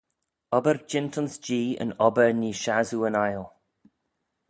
Obbyr jeant ayns Jee yn obbyr nee shassoo yn aile.